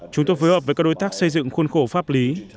chúng tôi phối hợp với các đối tác xây dựng khuôn khổ pháp lý